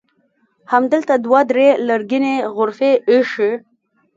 همدلته دوه درې لرګینې غرفې ایښي.